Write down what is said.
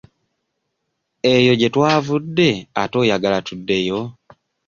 Eyo gye twavudde ate oyagala tuddeyo?